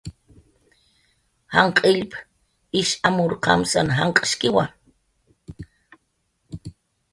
Janq' illp ish amur qamsanq qarwshkiwa